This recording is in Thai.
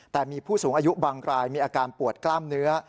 แต่มีผู้สูงอายุบางรายมีอาการปวดกล้ามเนื้อ